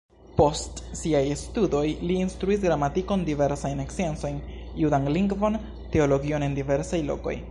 Post siaj studoj li instruis gramatikon, diversajn sciencojn, judan lingvon, teologion en diversaj lokoj.